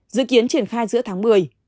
dự kiến triển khai giữa tháng một mươi